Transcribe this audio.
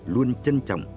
luôn trân trọng